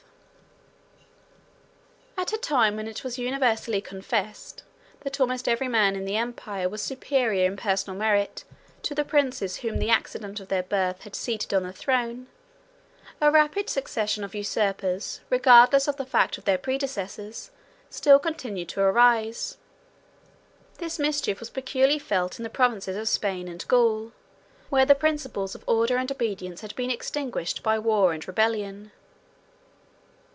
] At a time when it was universally confessed, that almost every man in the empire was superior in personal merit to the princes whom the accident of their birth had seated on the throne, a rapid succession of usurpers, regardless of the fate of their predecessors, still continued to arise. This mischief was peculiarly felt in the provinces of Spain and Gaul, where the principles of order and obedience had been extinguished by war and rebellion.